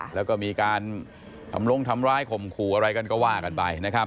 แล้วก็มีการทำลงทำร้ายข่มขู่อะไรกันก็ว่ากันไปนะครับ